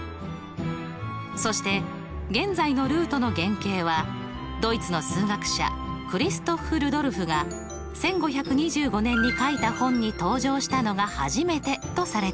そして現在のルートの原型はドイツの数学者クリストッフ・ルドルフが１５２５年に書いた本に登場したのが初めてとされています。